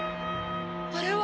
あれは？